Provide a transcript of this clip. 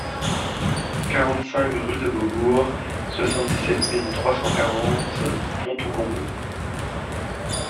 quarante-cinq rue de Beaubourg, soixante-dix-sept mille trois cent quarante Pontault-Combault